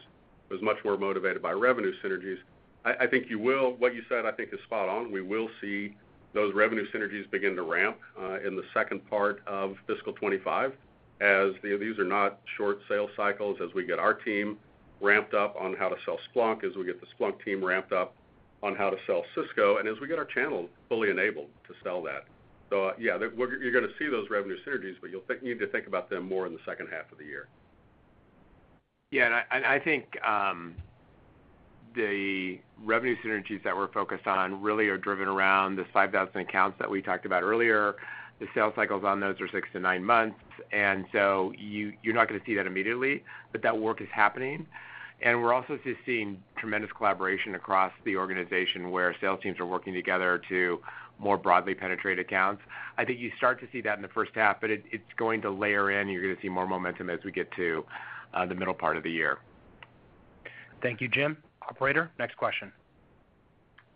It was much more motivated by revenue synergies. I, I think you will—what you said, I think, is spot on. We will see those revenue synergies begin to ramp in the second part of fiscal 2025, as these are not short sales cycles, as we get our team ramped up on how to sell Splunk, as we get the Splunk team ramped up on how to sell Cisco, and as we get our channel fully enabled to sell that. So, yeah, you're gonna see those revenue synergies, but you'll need to think about them more in the second half of the year. Yeah, and I think, the revenue synergies that we're focused on really are driven around the 5,000 accounts that we talked about earlier. The sales cycles on those are 6-9 months, and so you, you're not gonna see that immediately, but that work is happening. And we're also just seeing tremendous collaboration across the organization, where sales teams are working together to more broadly penetrate accounts. I think you start to see that in the first half, but it, it's going to layer in. You're gonna see more momentum as we get to, the middle part of the year. Thank you, Jim. Operator, next question.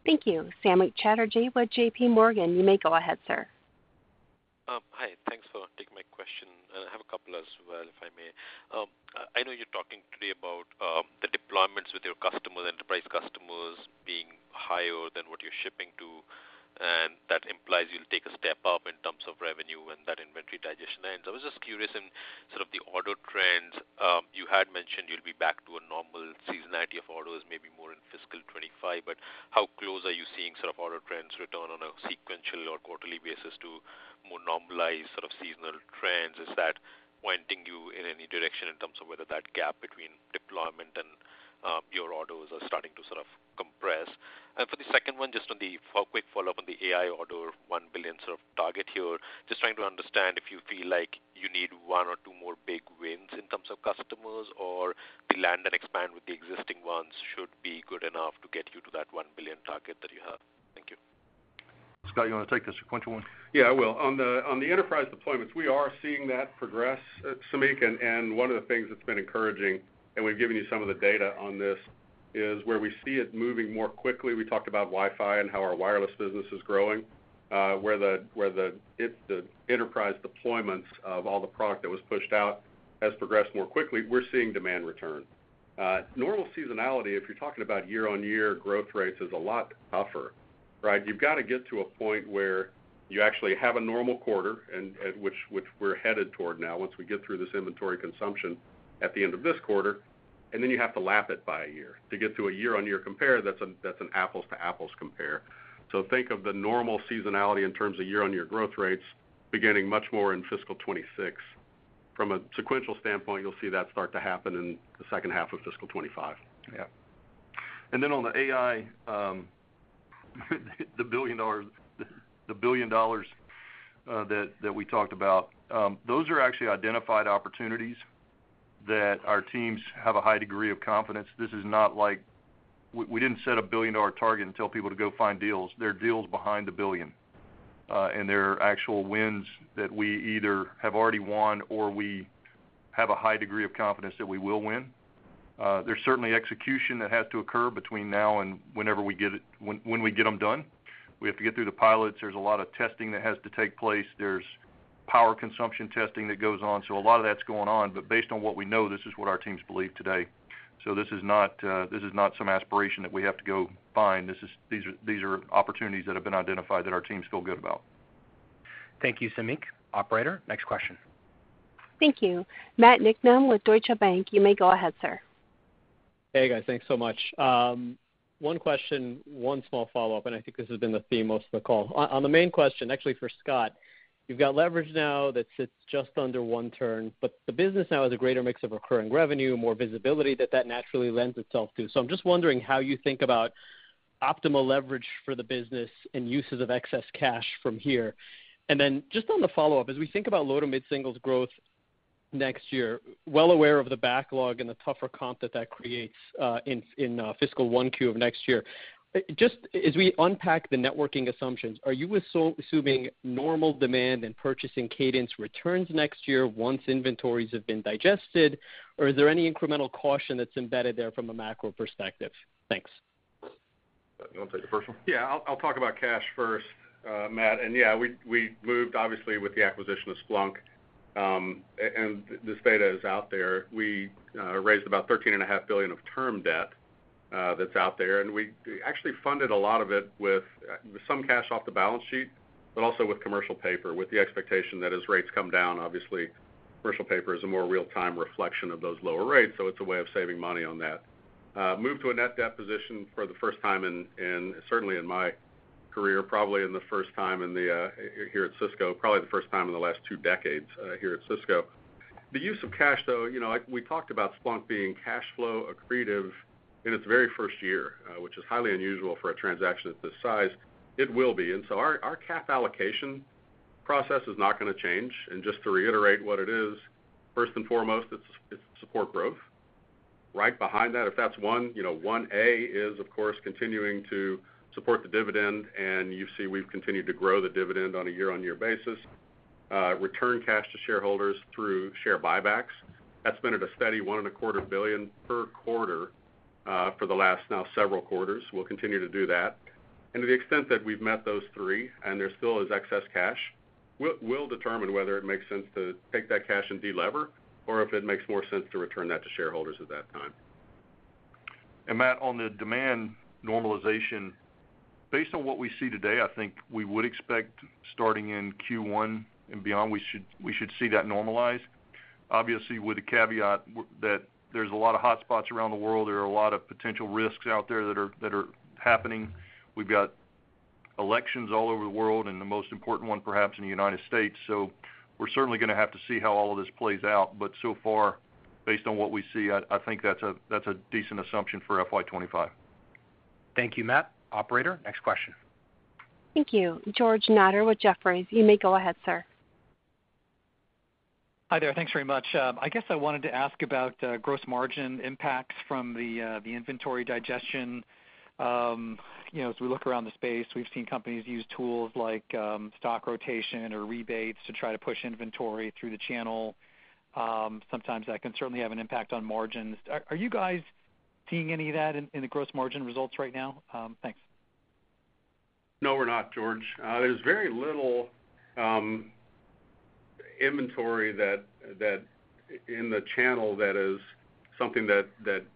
Thank you. Samik Chatterjee with J.P. Morgan. You may go ahead, sir. Hi, thanks for taking my question, and I have a couple as well, if I may. I know you're talking today about the deployments with your customers, enterprise customers, being higher than what you're shipping to, and that implies you'll take a step up in terms of revenue when that inventory digestion ends. I was just curious in sort of the order trends, you had mentioned you'll be back to a normal seasonality of orders, maybe more in fiscal 2025, but how close are you seeing sort of order trends return on a sequential or quarterly basis to more normalized sort of seasonal trends? Is that pointing you in any direction in terms of whether that gap between deployment and your orders are starting to sort of compress? For the second one, just on the a quick follow-up on the AI order, $1 billion sort of target here. Just trying to understand if you feel like you need one or two more big wins in terms of customers, or the land and expand with the existing ones should be good enough to get you to that $1 billion target that you have. Thank you. Scott, you want to take the sequential one? Yeah, I will. On the enterprise deployments, we are seeing that progress, Samik, and one of the things that's been encouraging, and we've given you some of the data on this, is where we see it moving more quickly. We talked about Wi-Fi and how our wireless business is growing, where the enterprise deployments of all the product that was pushed out has progressed more quickly, we're seeing demand return. Normal seasonality, if you're talking about year-on-year growth rates, is a lot tougher, right? You've got to get to a point where you actually have a normal quarter, and which we're headed toward now, once we get through this inventory consumption at the end of this quarter, and then you have to lap it by a year. To get to a year-on-year compare, that's an apples-to-apples compare. Think of the normal seasonality in terms of year-on-year growth rates beginning much more in fiscal 2026. From a sequential standpoint, you'll see that start to happen in the second half of fiscal 2025. Yeah. And then on the AI, the $1 billion that we talked about, those are actually identified opportunities that our teams have a high degree of confidence. This is not like... We didn't set a $1 billion-dollar target and tell people to go find deals. There are deals behind the $1 billion, and they're actual wins that we either have already won or we have a high degree of confidence that we will win. There's certainly execution that has to occur between now and whenever we get them done. We have to get through the pilots. There's a lot of testing that has to take place. There's power consumption testing that goes on. So a lot of that's going on, but based on what we know, this is what our teams believe today. This is not, this is not some aspiration that we have to go find. This is, these are, these are opportunities that have been identified that our teams feel good about. Thank you, Samik. Operator, next question. Thank you. Matt Niknam with Deutsche Bank. You may go ahead, sir. Hey, guys. Thanks so much. One question, one small follow-up, and I think this has been the theme most of the call. On the main question, actually for Scott, you've got leverage now that sits just under one turn, but the business now has a greater mix of recurring revenue, more visibility that that naturally lends itself to. So I'm just wondering how you think about optimal leverage for the business and uses of excess cash from here. And then just on the follow-up, as we think about low to mid-singles growth next year, well aware of the backlog and the tougher comp that that creates in fiscal 1Q of next year. Just as we unpack the networking assumptions, are you assuming normal demand and purchasing cadence returns next year once inventories have been digested, or is there any incremental caution that's embedded there from a macro perspective? Thanks. You wanna take the first one? Yeah, I'll, I'll talk about cash first, Matt. And yeah, we, we moved obviously with the acquisition of Splunk, and this data is out there. We raised about $13.5 billion of term debt, that's out there, and we actually funded a lot of it with some cash off the balance sheet, but also with commercial paper, with the expectation that as rates come down, obviously, commercial paper is a more real-time reflection of those lower rates, so it's a way of saving money on that. Moved to a net debt position for the first time in, in certainly in my career, probably in the first time in the, here at Cisco, probably the first time in the last two decades, here at Cisco. The use of cash, though, you know, like we talked about Splunk being cash flow accretive in its very first year, which is highly unusual for a transaction of this size. It will be. And so our capital allocation process is not gonna change. And just to reiterate what it is, first and foremost, it's support growth. Right behind that, if that's one, you know, 1A is, of course, continuing to support the dividend, and you see we've continued to grow the dividend on a year-on-year basis.... return cash to shareholders through share buybacks. That's been at a steady $1.25 billion per quarter for the last now several quarters. We'll continue to do that. And to the extent that we've met those three and there still is excess cash, we'll determine whether it makes sense to take that cash and delever, or if it makes more sense to return that to shareholders at that time. And Matt, on the demand normalization, based on what we see today, I think we would expect, starting in Q1 and beyond, we should, we should see that normalize. Obviously, with the caveat that there's a lot of hotspots around the world, there are a lot of potential risks out there that are, that are happening. We've got elections all over the world, and the most important one, perhaps, in the United States. So we're certainly gonna have to see how all of this plays out, but so far, based on what we see, I, I think that's a, that's a decent assumption for FY 25. Thank you, Matt. Operator, next question. Thank you. George Notter with Jefferies. You may go ahead, sir. Hi there. Thanks very much. I guess I wanted to ask about gross margin impacts from the inventory digestion. You know, as we look around the space, we've seen companies use tools like stock rotation or rebates to try to push inventory through the channel. Sometimes that can certainly have an impact on margins. Are you guys seeing any of that in the gross margin results right now? Thanks. No, we're not, George. There's very little inventory in the channel that is something that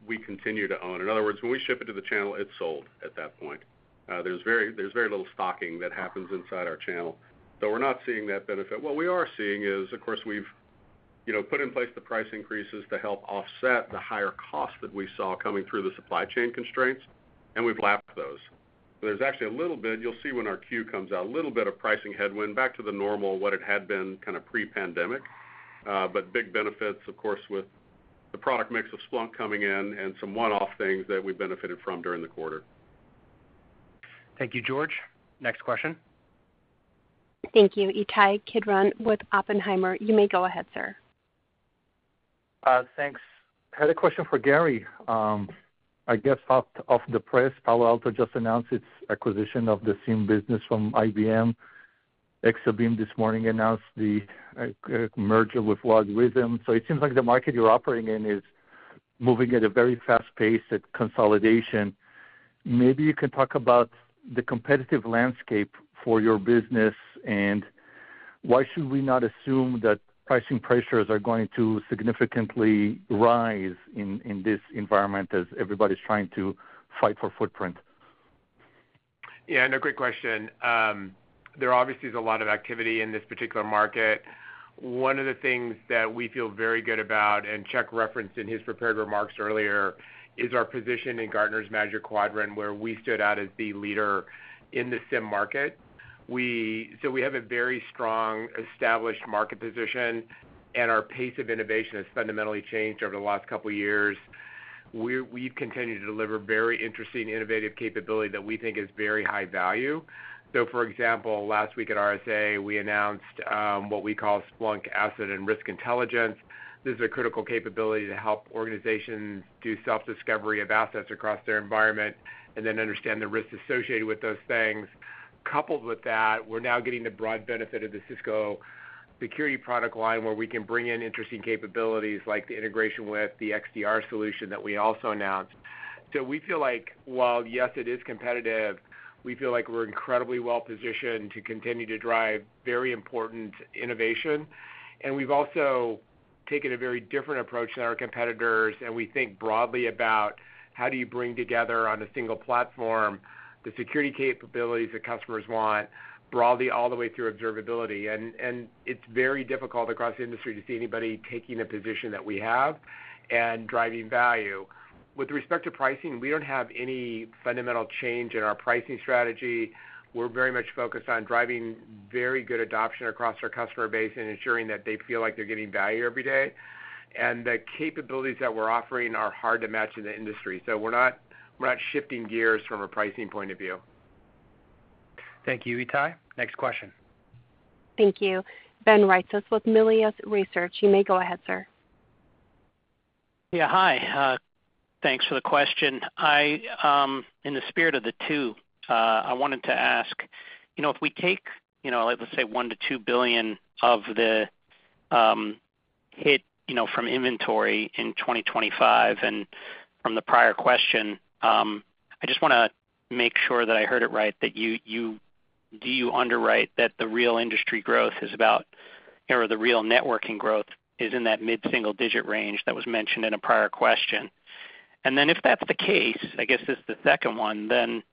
we continue to own. In other words, when we ship it to the channel, it's sold at that point. There's very little stocking that happens inside our channel, so we're not seeing that benefit. What we are seeing is, of course, we've, you know, put in place the price increases to help offset the higher costs that we saw coming through the supply chain constraints, and we've lapped those. There's actually a little bit, you'll see when our Q comes out, a little bit of pricing headwind, back to the normal, what it had been kind of pre-pandemic. But big benefits, of course, with the product mix of Splunk coming in and some one-off things that we benefited from during the quarter. Thank you, George. Next question. Thank you. Ittai Kidron with Oppenheimer. You may go ahead, sir. Thanks. I had a question for Gary. I guess, off the press, Palo Alto just announced its acquisition of the SIEM business from IBM. Exabeam, this morning, announced the merger with LogRhythm. So it seems like the market you're operating in is moving at a very fast pace at consolidation. Maybe you can talk about the competitive landscape for your business, and why should we not assume that pricing pressures are going to significantly rise in this environment as everybody's trying to fight for footprint? Yeah, no, great question. There obviously is a lot of activity in this particular market. One of the things that we feel very good about, and Chuck referenced in his prepared remarks earlier, is our position in Gartner's Magic Quadrant, where we stood out as the leader in the SIEM market. So we have a very strong, established market position, and our pace of innovation has fundamentally changed over the last couple of years. We've continued to deliver very interesting innovative capability that we think is very high value. So, for example, last week at RSA, we announced what we call Splunk Asset and Risk Intelligence. This is a critical capability to help organizations do self-discovery of assets across their environment and then understand the risks associated with those things. Coupled with that, we're now getting the broad benefit of the Cisco security product line, where we can bring in interesting capabilities, like the integration with the XDR solution that we also announced. So we feel like while, yes, it is competitive, we feel like we're incredibly well positioned to continue to drive very important innovation. And we've also taken a very different approach than our competitors, and we think broadly about how do you bring together on a single platform the security capabilities that customers want, broadly, all the way through observability. And it's very difficult across the industry to see anybody taking a position that we have and driving value. With respect to pricing, we don't have any fundamental change in our pricing strategy. We're very much focused on driving very good adoption across our customer base and ensuring that they feel like they're getting value every day. And the capabilities that we're offering are hard to match in the industry. So we're not, we're not shifting gears from a pricing point of view. Thank you, Ittai. Next question. Thank you. Ben Reitzes with Melius Research. You may go ahead, sir. Yeah, hi. Thanks for the question. I, in the spirit of the two, I wanted to ask, you know, if we take, you know, let's say, $1-2 billion of the hit, you know, from inventory in 2025, and from the prior question, I just wanna make sure that I heard it right, that you, you—do you underwrite that the real industry growth is about, or the real networking growth is in that mid-single-digit range that was mentioned in a prior question? And then, if that's the case, I guess this is the second one, then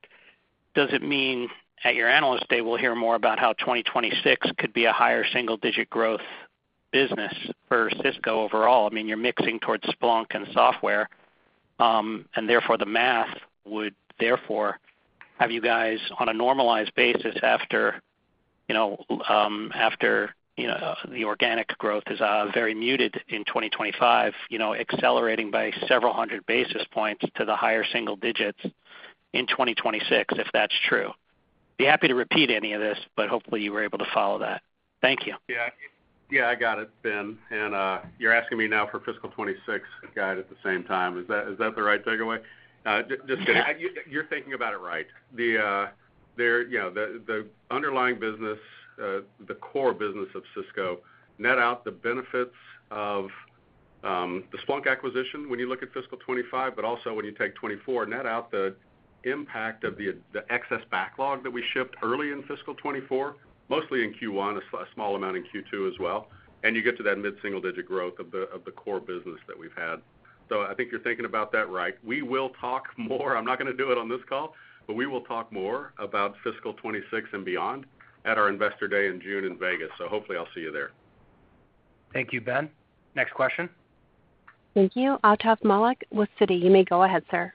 does it mean at your Analyst Day, we'll hear more about how 2026 could be a higher single-digit growth business for Cisco overall? I mean, you're mixing towards Splunk and software, and therefore, the math would therefore have you guys, on a normalized basis, after, you know, the organic growth is very muted in 2025, you know, accelerating by several hundred basis points to the higher single digits in 2026, if that's true. Be happy to repeat any of this, but hopefully you were able to follow that. Thank you.... Yeah, I got it, Ben, and you're asking me now for fiscal 2026 guide at the same time. Is that, is that the right takeaway? Just kidding. You're thinking about it right. The, there, you know, the, the underlying business, the core business of Cisco, net out the benefits of the Splunk acquisition when you look at fiscal 2025, but also when you take 2024, net out the impact of the, the excess backlog that we shipped early in fiscal 2024, mostly in Q1, a small amount in Q2 as well, and you get to that mid-single-digit growth of the, of the core business that we've had. So I think you're thinking about that right. We will talk more, I'm not gonna do it on this call, but we will talk more about fiscal 2026 and beyond at our Investor Day in June in Vegas. So hopefully I'll see you there. Thank you, Ben. Next question. Thank you. Atif Malik with Citi. You may go ahead, sir.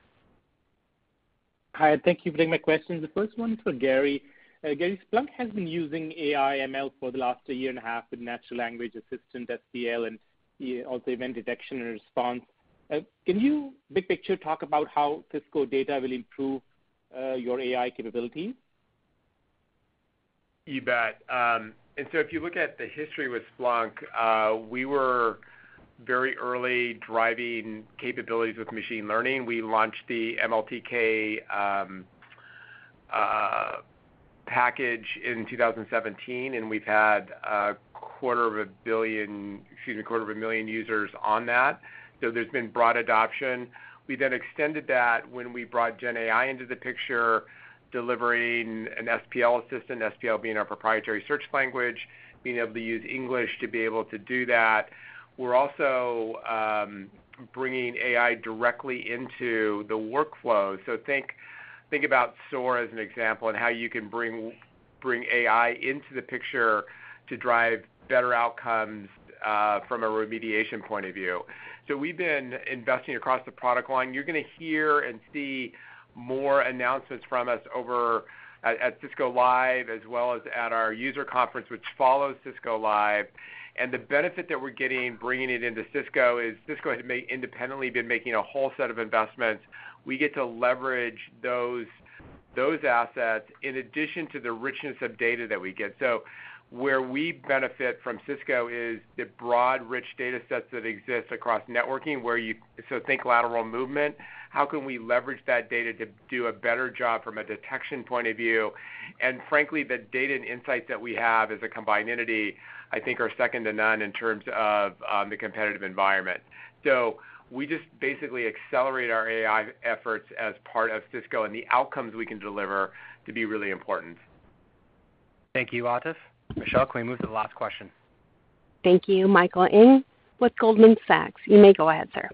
Hi, thank you for taking my question. The first one is for Gary. Gary, Splunk has been using AI ML for the last year and a half with natural language assistant, SPL, and also event detection and response. Can you, big picture, talk about how Cisco data will improve your AI capabilities? You bet. And so if you look at the history with Splunk, we were very early driving capabilities with machine learning. We launched the MLTK package in 2017, and we've had a quarter of a billion, excuse me, a quarter of a million users on that, so there's been broad adoption. We then extended that when we brought GenAI into the picture, delivering an SPL assistant, SPL being our proprietary search language, being able to use English to be able to do that. We're also bringing AI directly into the workflow. So think about SOAR as an example, and how you can bring AI into the picture to drive better outcomes from a remediation point of view. So we've been investing across the product line. You're gonna hear and see more announcements from us over at Cisco Live, as well as at our user conference, which follows Cisco Live. And the benefit that we're getting, bringing it into Cisco, is Cisco had independently been making a whole set of investments. We get to leverage those, those assets in addition to the richness of data that we get. So where we benefit from Cisco is the broad, rich data sets that exist across networking, where you so think lateral movement. How can we leverage that data to do a better job from a detection point of view? And frankly, the data and insights that we have as a combined entity, I think, are second to none in terms of the competitive environment. So we just basically accelerate our AI efforts as part of Cisco and the outcomes we can deliver to be really important. Thank you, Atif. Michelle, can we move to the last question? Thank you. Michael Ng with Goldman Sachs. You may go ahead, sir.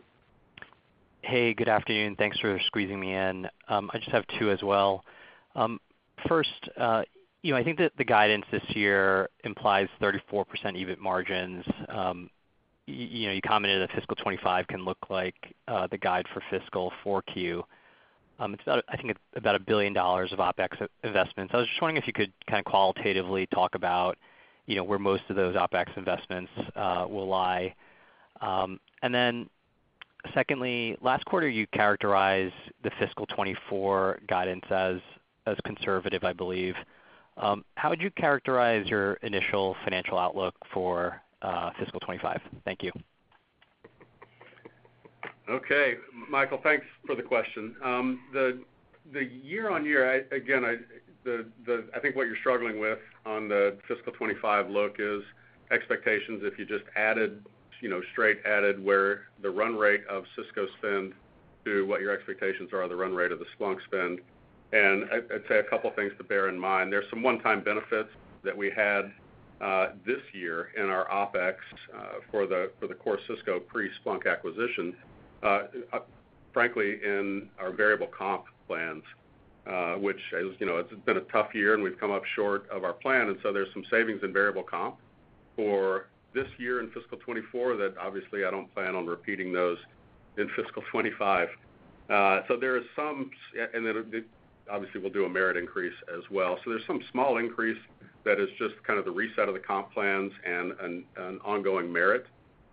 Hey, good afternoon. Thanks for squeezing me in. I just have two as well. First, you know, I think that the guidance this year implies 34% EBIT margins. You know, you commented that fiscal 25 can look like the guide for fiscal 4Q. It's about, I think, about $1 billion of OpEx investments. I was just wondering if you could kinda qualitatively talk about, you know, where most of those OpEx investments will lie. And then secondly, last quarter, you characterized the fiscal 24 guidance as, as conservative, I believe. How would you characterize your initial financial outlook for fiscal 25? Thank you. Okay, Michael, thanks for the question. The year-on-year, I think what you're struggling with on the fiscal 2025 look is expectations. If you just added, you know, straight added, where the run rate of Cisco spend to what your expectations are on the run rate of the Splunk spend. And I'd say a couple of things to bear in mind. There's some one-time benefits that we had this year in our OpEx for the core Cisco pre-Splunk acquisition. Frankly, in our variable comp plans, which, as you know, it's been a tough year, and we've come up short of our plan, and so there's some savings in variable comp for this year in fiscal 2024 that obviously I don't plan on repeating those in fiscal 2025. So there is some... And then, obviously, we'll do a merit increase as well. So there's some small increase that is just kind of the reset of the comp plans and an ongoing merit.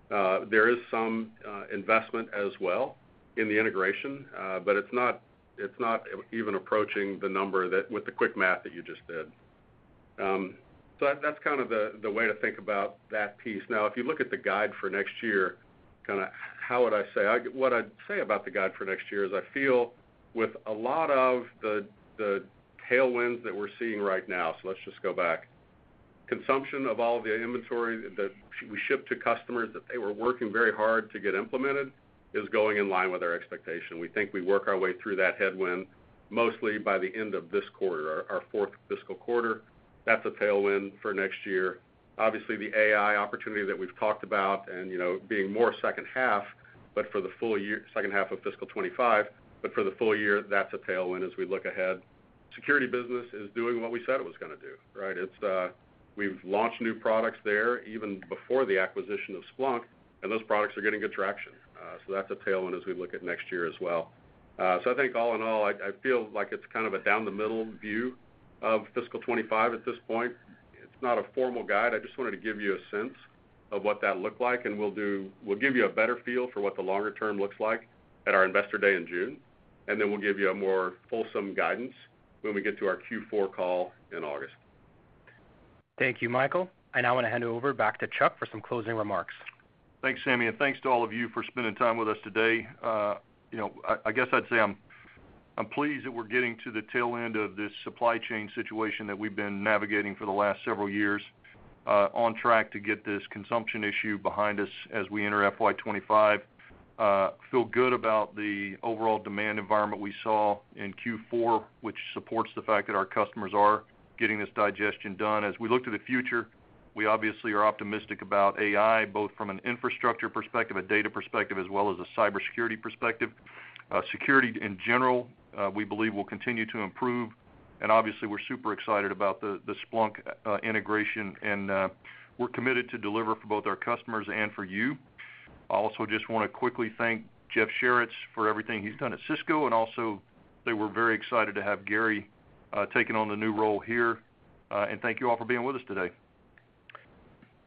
There is some investment as well in the integration, but it's not even approaching the number that with the quick math that you just did. So that's kind of the way to think about that piece. Now, if you look at the guide for next year, kinda how would I say? What I'd say about the guide for next year is I feel with a lot of the tailwinds that we're seeing right now, so let's just go back. Consumption of all the inventory that we ship to customers, that they were working very hard to get implemented, is going in line with our expectation. We think we work our way through that headwind, mostly by the end of this quarter, our fourth fiscal quarter. That's a tailwind for next year. Obviously, the AI opportunity that we've talked about and, you know, being more second half, but for the full year, second half of fiscal 25, but for the full year, that's a tailwind as we look ahead. Security business is doing what we said it was gonna do, right? It's, we've launched new products there, even before the acquisition of Splunk, and those products are getting good traction. So that's a tailwind as we look at next year as well. So I think all in all, I feel like it's kind of a down the middle view of fiscal 25 at this point. It's not a formal guide. I just wanted to give you a sense of what that looked like, and we'll give you a better feel for what the longer term looks like at our Investor Day in June. And then we'll give you a more fulsome guidance when we get to our Q4 call in August. Thank you, Michael. I now want to hand it over back to Chuck for some closing remarks. Thanks, Sami, and thanks to all of you for spending time with us today. You know, I guess I'd say I'm pleased that we're getting to the tail end of this supply chain situation that we've been navigating for the last several years, on track to get this consumption issue behind us as we enter FY 25. Feel good about the overall demand environment we saw in Q4, which supports the fact that our customers are getting this digestion done. As we look to the future, we obviously are optimistic about AI, both from an infrastructure perspective, a data perspective, as well as a cybersecurity perspective. Security in general, we believe will continue to improve, and obviously, we're super excited about the Splunk integration, and we're committed to deliver for both our customers and for you. I also just wanna quickly thank Jeff Sharritts for everything he's done at Cisco, and also that we're very excited to have Gary taking on the new role here. Thank you all for being with us today.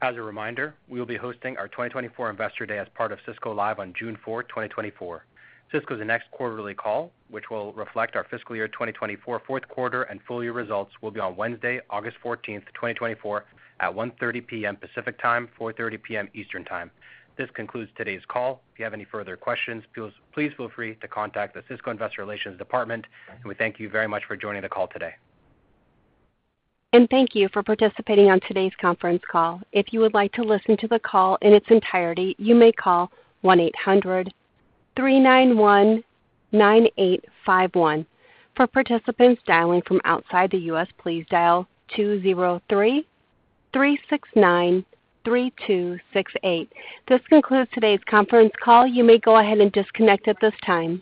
As a reminder, we will be hosting our 2024 Investor Day as part of Cisco Live on June 4, 2024. Cisco's next quarterly call, which will reflect our fiscal year 2024, fourth quarter and full year results, will be on Wednesday, August 14, 2024, at 1:30 P.M. Pacific Time, 4:30 P.M. Eastern Time. This concludes today's call. If you have any further questions, please, please feel free to contact the Cisco Investor Relations Department, and we thank you very much for joining the call today. Thank you for participating on today's conference call. If you would like to listen to the call in its entirety, you may call 1-800-391-9851. For participants dialing from outside the U.S., please dial 203-369-3268. This concludes today's conference call. You may go ahead and disconnect at this time.